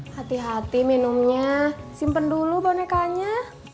hati hati minumnya simpen dulu bonekanya